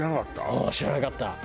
うん知らなかった。